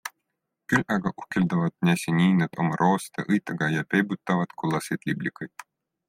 Küll aga uhkeldavad näsiniined oma roosade õitega ja peibutavad kollaseid liblikaid.